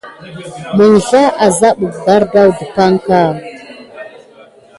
Məŋzla a zabaɓik ɓardawun ɗepanka.